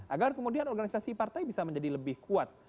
agar kemudian organisasi partai bisa menjadi lebih kuat